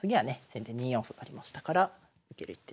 先手２四歩ありましたから受ける一手ですね。